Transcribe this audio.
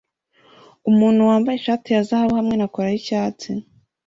Umuntu wambaye ishati ya zahabu hamwe na cola yicyatsi